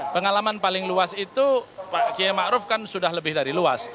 pengalaman paling luas itu pak km ma'ruf kan sudah lebih dari luas